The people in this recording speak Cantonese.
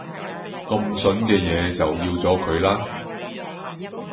咁旬嘅嘢就要咗佢啦